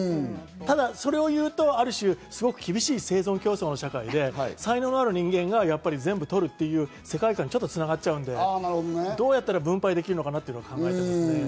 ただ、それを言うとある種、すごく厳しい生存競争社会で、才能ある人間が全部取るという世界観に繋がっちゃうので、どうやったら分配できるのかなと考えていますね。